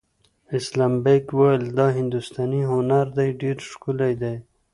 اسلم بېگ وویل دا هندوستاني هنر دی ډېر ښکلی دی.